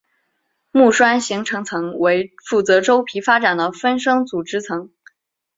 木栓形成层为负责周皮发展的分生组织层。